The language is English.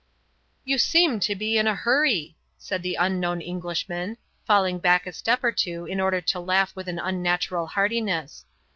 "You seem to be in a hurry," said the unknown Englishman, falling back a step or two in order to laugh with an unnatural heartiness.